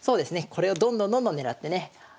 これをどんどんどんどん狙ってね